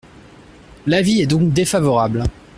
L’avis est donc défavorable.